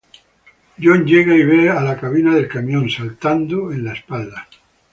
John llega y ve a la cabina del camión, saltando en la espalda.